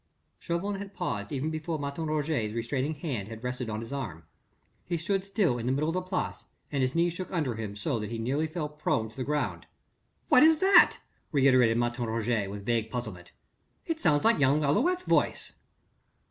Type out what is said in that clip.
Chauvelin had paused even before Martin Roget's restraining hand had rested on his arm. He stood still in the middle of the Place and his knees shook under him so that he nearly fell prone to the ground. "What is it?" reiterated Martin Roget with vague puzzlement. "It sounds like young Lalouët's voice."